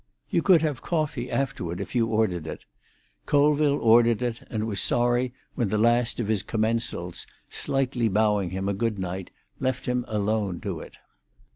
You could have coffee afterward if you ordered it. Colville ordered it, and was sorry when the last of his commensals, slightly bowing him a good night, left him alone to it.